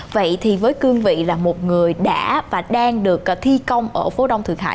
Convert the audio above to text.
vậy thì với cương vị là một người đã và đang được thi công ở phố đông thượng hải